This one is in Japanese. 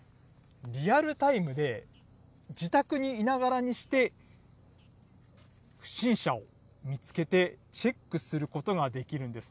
リアルタイムで自宅に居ながらにして、不審者を見つけてチェックすることができるんです。